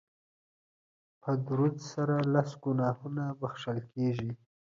په درود سره لس ګناهونه بښل کیږي